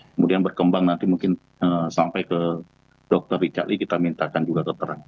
kemudian berkembang nanti mungkin sampai ke dr richard lee kita mintakan juga dokternya